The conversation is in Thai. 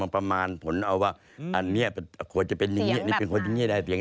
ประมาณขอจะเป็นเสียงไปเนี่ย